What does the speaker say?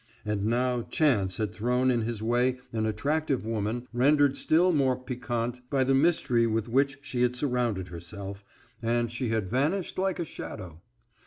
And now Chance had thrown in his way an attractive woman, rendered still more piquante by the mystery with which she had surrounded herself, and she had vanished like a shadow.